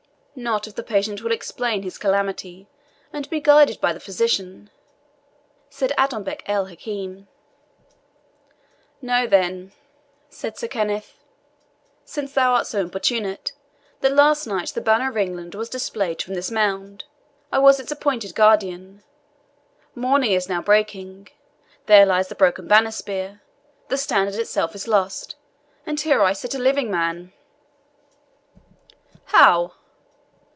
"Not if the patient will explain his calamity, and be guided by the physician," said Adonbec el Hakim. "Know, then," said Sir Kenneth, "since thou art so importunate, that last night the Banner of England was displayed from this mound I was its appointed guardian morning is now breaking there lies the broken banner spear, the standard itself is lost, and here sit I a living man!" "How!"